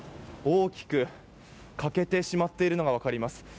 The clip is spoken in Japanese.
大きく欠けてしまっているのがわかります。